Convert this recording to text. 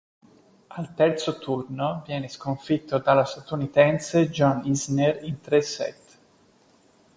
Al terzo turno viene sconfitto dallo statunitense John Isner in tre set.